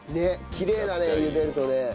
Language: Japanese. きれいだね茹でるとね。